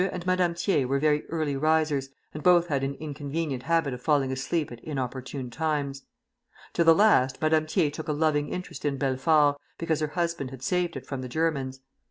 and Madame Thiers were very early risers, and both had an inconvenient habit of falling asleep at inopportune times. To the last, Madame Thiers took a loving interest in Belfort, because her husband had saved it from the Germans.